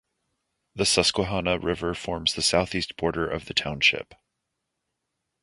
The Susquehanna River forms the southeast border of the township.